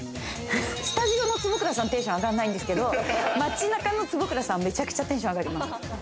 スタジオの坪倉さんはテンション上がらないんですけど街中の坪倉さんはテンション上がります。